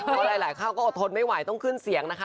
เพราะหลายครั้งก็อดทนไม่ไหวต้องขึ้นเสียงนะคะ